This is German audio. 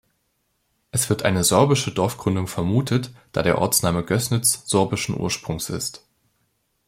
Es wird eine sorbische Dorfgründung vermutet, da der Ortsname Gößnitz sorbischen Ursprungs ist.